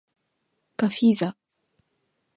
ガフィーザ